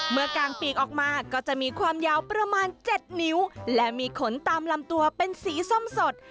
กลางปีกออกมาก็จะมีความยาวประมาณ๗นิ้วและมีขนตามลำตัวเป็นสีส้มสด